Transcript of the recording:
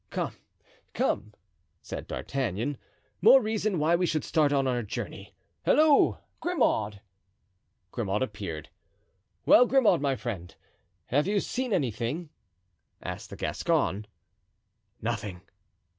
"Come, come," said D'Artagnan, "more reason why we should start on our journey. Halloo, Grimaud!" Grimaud appeared. "Well, Grimaud, my friend, have you seen anything?" asked the Gascon. "Nothing!"